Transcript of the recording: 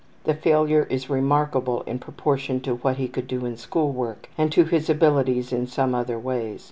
The failure is remarkable in proportion to what he could do in school work and to his abilities in some other ways.